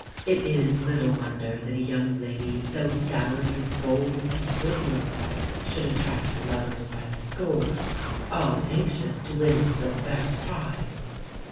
It is little wonder that a young lady so dowered with gold and good looks should attract lovers by the score, all anxious to win so fair a prize.